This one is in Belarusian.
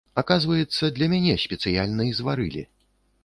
Аказваецца, для мяне спецыяльна і зварылі.